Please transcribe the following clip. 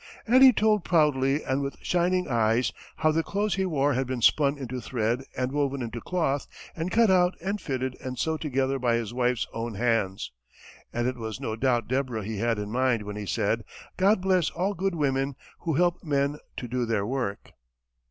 And he told proudly and with shining eyes how the clothes he wore had been spun into thread and woven into cloth and cut out and fitted and sewed together by his wife's own hands; and it was no doubt Deborah he had in mind when he said: "God bless all good women who help men to do their work."